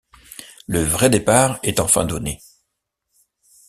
Le vrai départ est enfin donné.